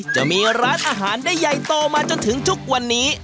จะมีร้านอาหารได้ใหญ่โตมาจนถึงทุกวันนี้